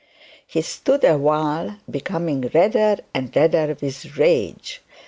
He stood awhile, becoming redder and redder with rage.